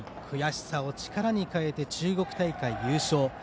悔しさを力に変えて中国大会優勝。